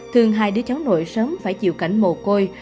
thường hai đứa cháu nội sớm phải chịu cảnh mồ côi